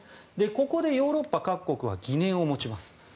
ここでヨーロッパ各国は疑念を持ちます。